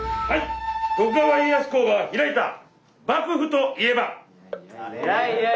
徳川家康公が開いた幕府といえば？